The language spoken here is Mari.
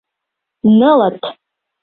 Нылыт.